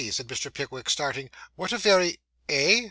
said Mr. Pickwick, starting, 'what a very Eh?